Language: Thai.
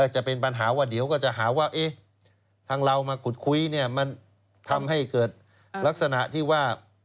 จะเป็นปัญหาว่าเดี๋ยวก็จะหาว่าทางเรามาขุดคุยเนี่ยมันทำให้เกิดลักษณะที่ว่า